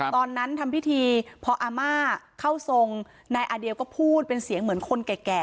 ทำพิธีพออาม่าเข้าทรงนายอาเดียวก็พูดเป็นเสียงเหมือนคนแก่